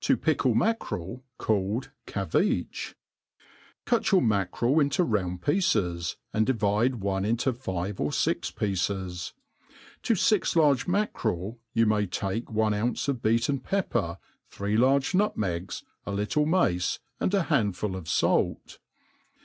To pickle Afaciirelf calkd Caveach. CUT your mackerel into round pieces, and divide one in^o five or fix pieces : to fix large mackerel you may take one ounce of beaten pepper^^ three large nutmegs, a little mace, and a handful of fait.